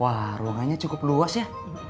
wah ruangannya cukup luas ya